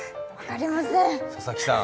佐々木さん。